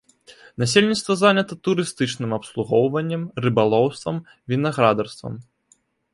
Насельніцтва занята турыстычным абслугоўваннем, рыбалоўствам, вінаградарствам.